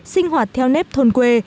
sinh hoạt theo nếp thôn quê